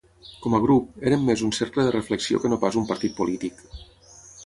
Com a grup, eren més un cercle de reflexió que no pas un partit polític.